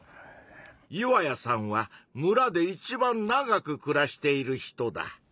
岩谷さんは村で一番長くくらしている人だ。